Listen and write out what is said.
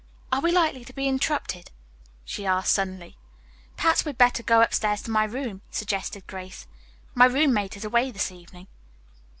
Are we likely to be interrupted?" she asked suddenly. "Perhaps we had better go upstairs to my room," suggested Grace. "My roommate is away this evening."